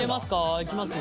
いきますよ。